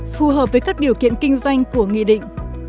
phù hợp với các điều kiện kinh doanh của nghị định